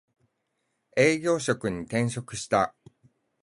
営業職に転職した